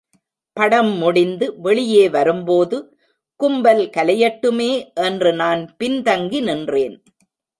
படம் முடிந்து வெளியே வரும்போது, கும்பல் கலையட்டுமே என்று நான் பின் தங்கி நின்றேன்.